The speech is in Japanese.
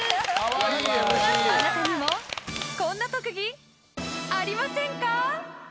あなたにもこんな特技ありませんか？